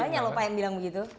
banyak lho pak yang bilang begitu